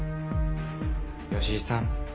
吉井さん